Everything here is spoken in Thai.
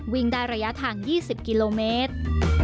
วิ่งได้ระยะทาง๒๐กิโลเมตร